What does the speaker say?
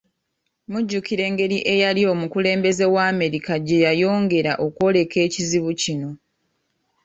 Mujjukira engeri eyali omukulembeze wa Amerika gye yayongera okwoleka ekizibu kino